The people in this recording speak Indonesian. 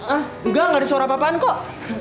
enggak gak ada suara apa apaan kok